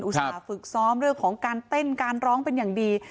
ส่าห์ฝึกซ้อมเรื่องของการเต้นการร้องเป็นอย่างดี